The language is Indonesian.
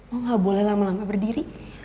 oh gak boleh lama lama berdiri